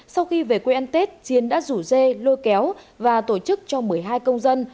sau khi về quê ăn tết chiến đã rủ dê lôi kéo và tổ chức cho một mươi hai công dân